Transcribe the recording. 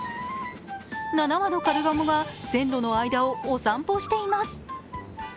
７羽のカルガモが線路の間をお散歩しています。